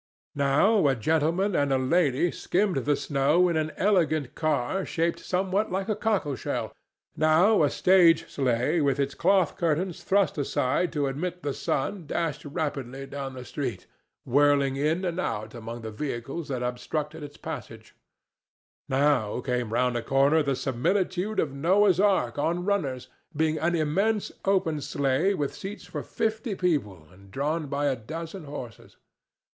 Now a gentleman and lady skimmed the snow in an elegant car shaped somewhat like a cockle shell; now a stage sleigh with its cloth curtains thrust aside to admit the sun dashed rapidly down the street, whirling in and out among the vehicles that obstructed its passage; now came round a corner the similitude of Noah's ark on runners, being an immense open sleigh with seats for fifty people and drawn by a dozen horses.